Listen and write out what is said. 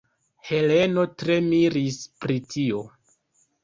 Heleno tre miris pri tio.